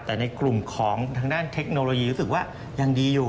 แต่ในกลุ่มของทางด้านเทคโนโลยีรู้สึกว่ายังดีอยู่